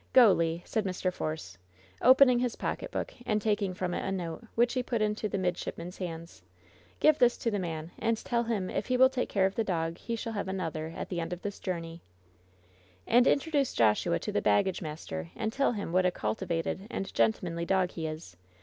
"Go, Le," said Mr. Force, opening his pocketbook and taking from it a note, which he put into the midship man's hand^. "Give this to the man, and tell him if he will take care of the dog he shall have another at the end of this journey/' "And introduce Joshua to the baggage master, and tell him what a cultivated and gentlemanly dog he is